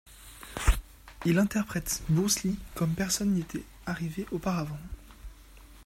Il interprète Bruce Lee comme personne n'y était arrivé auparavant.